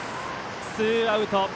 ツーアウト。